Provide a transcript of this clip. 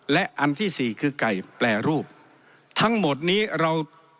และอันที่สี่คือไก่แปรรูปทั้งหมดนี้เรา